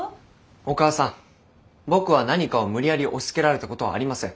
お母さん僕は何かを無理やり押しつけられたことはありません。